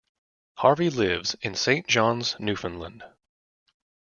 Harvey lives in Saint John's, Newfoundland.